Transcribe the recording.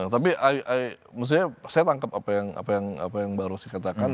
tapi i i maksudnya saya tangkap apa yang apa yang apa yang baru sih katakan